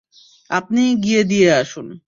আপনিই গিয়ে দিয়ে আসুন।